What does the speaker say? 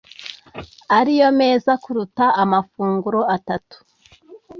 ariyo meza kuruta amafunguro atatu